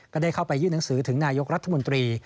ก็ได้เข้าไปยื่นหนังสือถึงนายกรัฐมนตรี